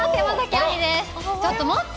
ちょっと待った？